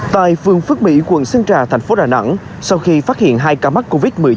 tại phường phước mỹ quận sơn trà thành phố đà nẵng sau khi phát hiện hai ca mắc covid một mươi chín